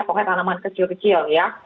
pokoknya tanaman kecil kecil ya